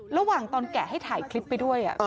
ระหว่างตอนแกะให้ถ่ายคลิปไปด้วย